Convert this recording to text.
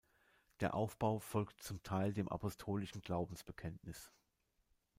Der Aufbau folgt zum Teil dem Apostolischen Glaubensbekenntnis.